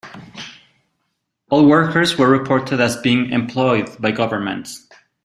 All workers were reported as being employed by governments.